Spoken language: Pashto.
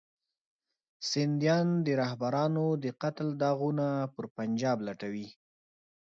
سندیان د رهبرانو د قتل داغونه پر پنجاب لټوي.